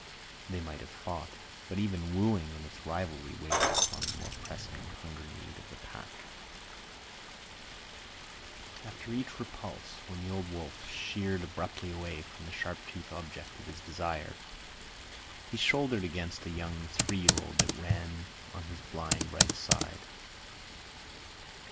They might have fought, but even wooing and its rivalry waited upon the more pressing hunger need of the pack. After each repulse, when the old wolf sheered abruptly away from the sharp toothed object of his desire, he shouldered against a young three year old that ran on his blind right side.